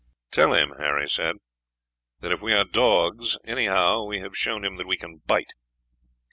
"Tell him," Harry said, "that if we are dogs, anyhow we have shown him that we can bite.